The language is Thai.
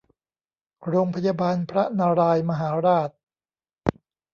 โรงพยาบาลพระนารายณ์มหาราช